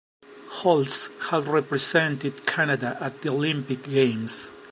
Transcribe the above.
Holtz has represented Canada at the Olympic Games.